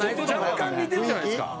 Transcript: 若干似てるじゃないですか。